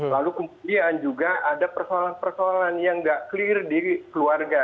lalu kemudian juga ada persoalan persoalan yang nggak clear di keluarga